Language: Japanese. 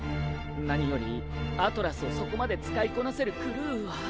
何よりアトラスをそこまで使いこなせるクルーは。